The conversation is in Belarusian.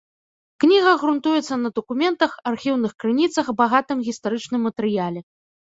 Кніга грунтуецца на дакументах, архіўных крыніцах, багатым гістарычным матэрыяле.